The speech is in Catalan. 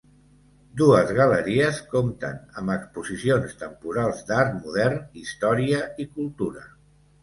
Dues galeries compten amb exposicions temporals d'art modern, història i cultura.